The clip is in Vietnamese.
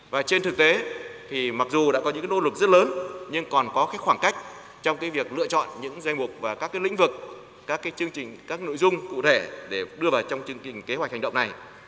và trên thực tế thì mặc dù đã có những nỗ lực rất lớn nhưng còn có khoảng cách trong việc lựa chọn những danh mục và các lĩnh vực các chương trình các nội dung cụ thể để đưa vào trong chương trình kế hoạch hành động này